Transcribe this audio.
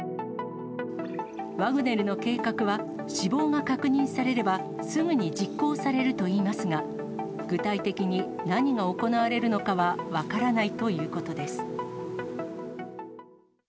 ワグネルの計画は死亡が確認されれば、すぐに実行されるといいますが、具体的に何が行われるのかは分からないということです。